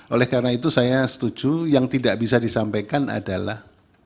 oleh karena itu saya setuju yang tidak bisa disampaikan adalah